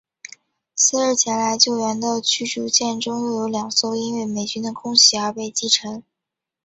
次日前来救援的驱逐舰中又有两艘因为美军的空袭而被击沉。